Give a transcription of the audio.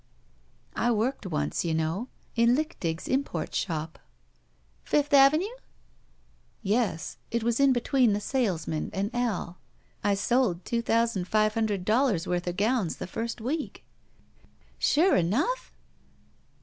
"I worked once, you know, in Lichtig's import shop." "Fifth Avenue?" "Yes. It was in between the salesman and Al. I sold two thousand five htmdred dollars' worth of gowns the first week." Sure enough?"